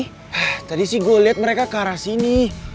eh tadi sih gue liat mereka ke arah sini